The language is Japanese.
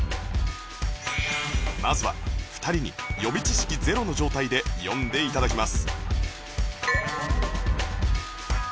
まずは２人に予備知識ゼロの状態で読んで頂きます